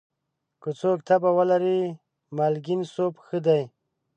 که څوک تبه ولري، مالګین سوپ ښه دی.